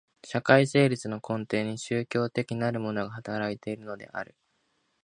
社会成立の根底に宗教的なるものが働いているのである。